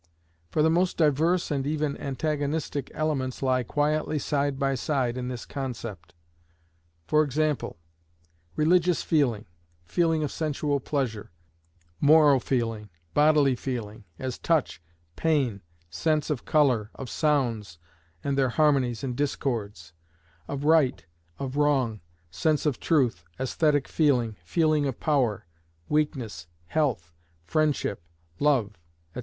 For the most diverse and even antagonistic elements lie quietly side by side in this concept; for example, religious feeling, feeling of sensual pleasure, moral feeling, bodily feeling, as touch, pain, sense of colour, of sounds and their harmonies and discords, feeling of hate, of disgust, of self satisfaction, of honour, of disgrace, of right, of wrong, sense of truth, æsthetic feeling, feeling of power, weakness, health, friendship, love, &c.